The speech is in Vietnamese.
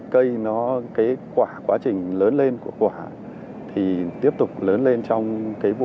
cây nó cái quả quá trình lớn lên của quả thì tiếp tục lớn lên trong cái vụ